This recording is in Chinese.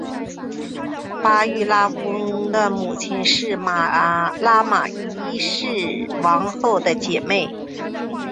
巴育拉翁的母亲是拉玛一世王后的姐妹。